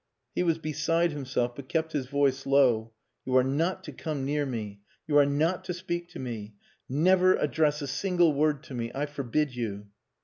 He was beside himself, but kept his voice low. "You are not to come near me. You are not to speak to me. Never address a single word to me. I forbid you."